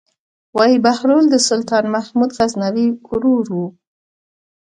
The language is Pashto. وايي بهلول د سلطان محمود غزنوي ورور و.